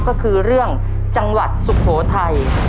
ก็คือเรื่องจังหวัดสุโขทัย